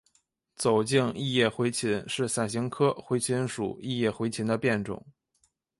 走茎异叶茴芹是伞形科茴芹属异叶茴芹的变种。